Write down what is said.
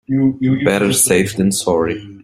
Better safe than sorry.